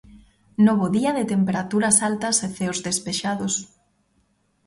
Novo día de temperaturas altas e ceos despexados.